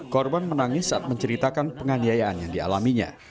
korban menangis saat menceritakan penganiayaan yang dialaminya